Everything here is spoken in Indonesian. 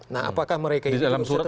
nah apakah mereka ini bisa terlibat